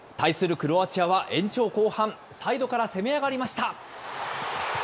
クロアチアは延長後半、サイドから攻め上がりました。